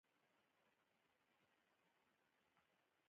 خاموشي، د پوهې نښه ده.